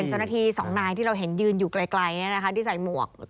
เจ้าหน้าที่สองนายที่เราเห็นยืนอยู่ไกลที่ใส่หมวก